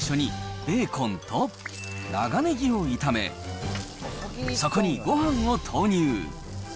最初にベーコンと長ねぎを炒め、そこに、ごはんを投入。